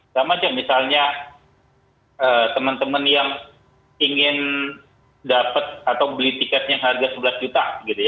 sama aja misalnya teman teman yang ingin dapat atau beli tiket yang harga sebelas juta